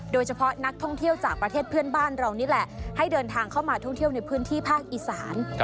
โดยเฉพาะนักท่องเที่ยวจากประเทศเพื่อนบ้านเรานี่แหละให้เดินทางเข้ามาท่องเที่ยวในพื้นที่ภาคอีสาน